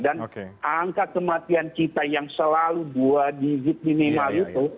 dan angka kematian kita yang selalu dua digit minimal itu